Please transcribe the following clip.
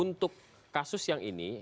untuk kasus yang ini